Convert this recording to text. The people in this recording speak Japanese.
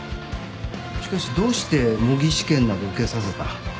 しかしどうして模擬試験など受けさせた？